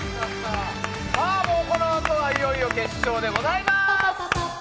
このあとはいよいよ決勝でございます。